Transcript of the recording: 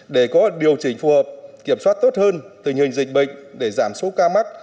để có điều chỉnh phù hợp kiểm soát tốt hơn tình hình dịch bệnh để giảm số ca mắc